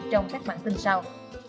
trong các bản tin sau